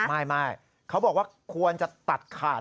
ไม่เขาบอกว่าควรจะตัดขาด